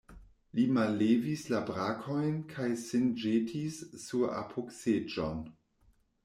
Li mallevis la brakojn kaj sin ĵetis sur apogseĝon.